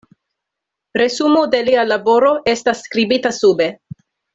Resumo de lia laboro estas skribita sube.